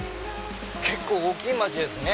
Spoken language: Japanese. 結構大きい街ですね。